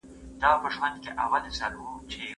پنځلس پنځلسم عدد دئ.